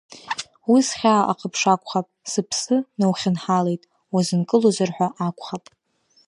Уи схьаа ахыԥшакәхап, сыԥсы наухьынҳалеит, уазынкылозар ҳәа акәхап.